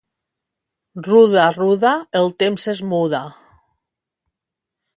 Ruda, ruda, el temps es muda.